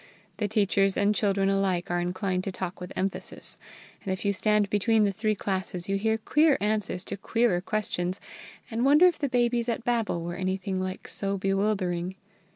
The teachers and children alike are inclined to talk with emphasis; and if you stand between the three classes you hear queer answers to queerer questions, and wonder if the babies at Babel were anything like so bewildering.